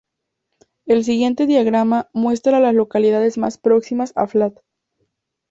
El siguiente diagrama muestra a las localidades más próximas a Flat.